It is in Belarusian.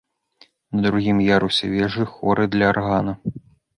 На другім ярусе вежы хоры для аргана.